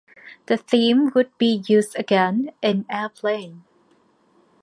The theme would be used again in Airplane!